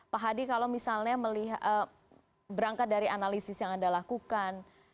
pak hadi kalau misalnya melihat berangkat dari analisis yang anda lakukan